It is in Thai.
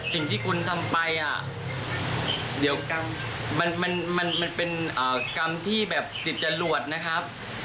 สิ่งที่คุณทำไปมันเป็นกรรมที่ติดจรวดนะครับ